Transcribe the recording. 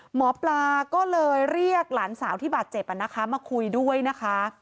หมอปลาก็เลยเรียกหลานสาวที่บาดเจ็บมาคุยด้วยนะคะ